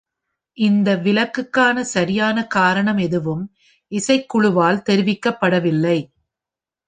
இந்த விலக்குக்கான சரியான காரணம் எதுவும் இசைக்குழுவால் தெரிவிக்கப்படவில்லை.